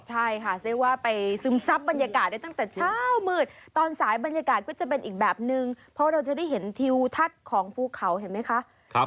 ใช่ค่ะเรียกว่าไปซึมซับบรรยากาศได้ตั้งแต่เช้ามืดตอนสายบรรยากาศก็จะเป็นอีกแบบนึงเพราะเราจะได้เห็นทิวทัศน์ของภูเขาเห็นไหมคะ